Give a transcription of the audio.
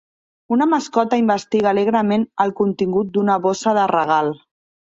Una mascota investiga alegrement el contingut d'una bossa de regal.